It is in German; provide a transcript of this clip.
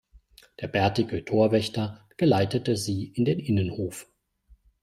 Der bärtige Torwächter geleitete sie in den Innenhof.